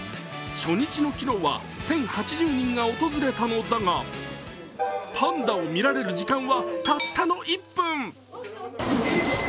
初日の昨日は１０８０人が訪れたのだがパンダを見られる時間はたったの１分。